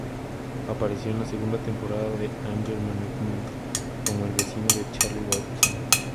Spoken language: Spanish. Apareció en la segunda temporada de "Anger Management" como el vecino de Charlie Goodson.